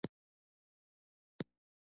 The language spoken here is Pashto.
چې په ژمي کې وغوړېږي .